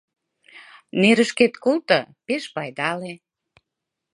Нерышкет колто, пеш пайдале.